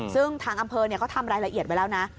ซึ่งทางอำเภอเขาทำรายละเอียดไว้แล้วนะ